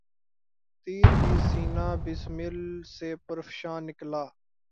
تیر بھی سینہٴ بسمل سے پر افشاں نکلا